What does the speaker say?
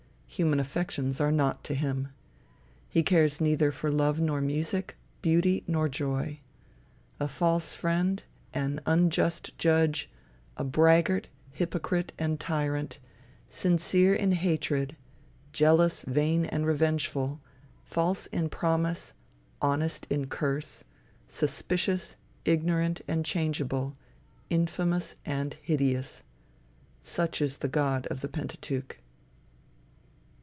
Human affections are naught to him. He cares neither for love nor music, beauty nor joy. A false friend, an unjust judge, a braggart, hypocrite, and tyrant, sincere in hatred, jealous, vain, and revengeful, false in promise, honest in curse, suspicious, ignorant, and changeable, infamous and hideous: such is the God of the Pentateuch.